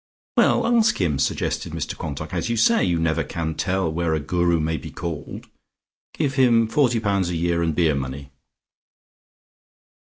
"Well, ask him," suggested Mr Quantock, "as you say, you never can tell where a Guru may be called. Give him forty pounds a year and beer money."